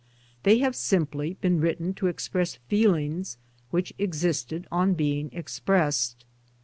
They have simply been written to express feelings which insisted on being expressed.